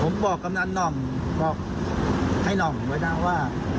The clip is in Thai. ผมบอกกำนันหน่อมบอกให้หน่องไว้นะว่า